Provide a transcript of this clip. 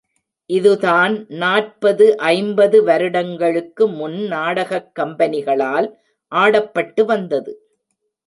இதுதான் நாற்பது ஐம்பது வருடங்களுக்குமுன் நாடகக் கம்பெனிகளால் ஆடப்பட்டு வந்தது.